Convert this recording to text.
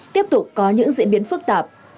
tiếp tục có những diễn biến phức tạp